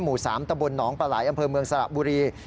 หมู่๓ตะบลหนองปลาไหลอำเภอเมืองสระบุรี